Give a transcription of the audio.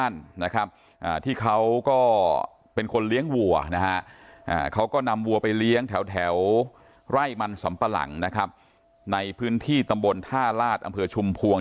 รัยมันสำปะหลั่งนะครับในพื้นที่ตำบลทราลาศอำเภอชุมพวง